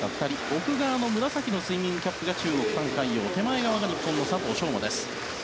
奥側の紫のスイミングキャップが中国、タン・カイヨウ手前側は日本の佐藤翔馬です。